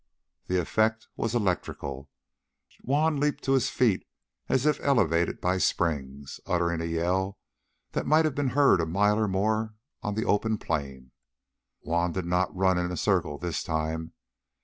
The effect was electrical. Juan leaped to his feet as if elevated by springs, uttering a yell that might have been heard a mile or more on the open plain. But Juan did not run in a circle this time.